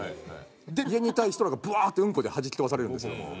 で家にいた人らがブワー！ってうんこではじき飛ばされるんですけども。